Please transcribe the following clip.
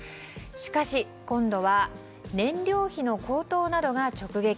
しかし、今度は燃料費の高騰などが直撃。